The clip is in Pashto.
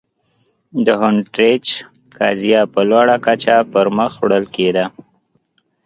د هونټریج قضیه په لوړه کچه پر مخ وړل کېده.